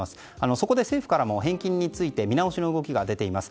そこで政府からも返金について見直しの動きが出ています。